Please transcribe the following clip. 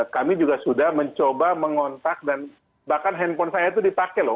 kami juga sudah mencoba mengontak dan bahkan handphone saya itu dipakai loh